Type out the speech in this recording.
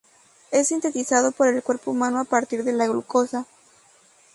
Es sintetizado por el cuerpo humano a partir de la glucosa.